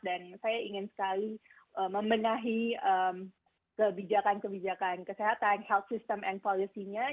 dan saya ingin sekali memenahi kebijakan kebijakan kesehatan health system and policy nya